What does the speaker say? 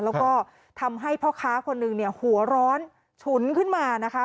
แล้วก็ทำให้พ่อค้าคนหนึ่งเนี่ยหัวร้อนฉุนขึ้นมานะคะ